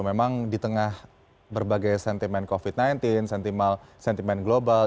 yang di tengah berbagai sentimen covid sembilan belas sentimen global